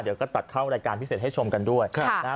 เดี๋ยวก็ตัดเข้ารายการพิเศษให้ชมกันด้วยนะฮะ